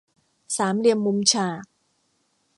สามเหลี่ยมมุมฉาก